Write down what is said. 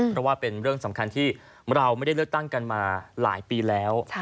เพราะว่าเป็นเรื่องสำคัญที่เราไม่ได้เลือกตั้งกันมาหลายปีแล้ว